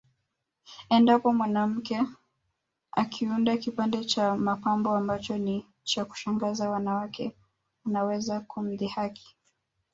Endapo mwanamke akiunda kipande cha mapambo ambacho ni cha kushangaza wanawake wanaweza kumdhihaki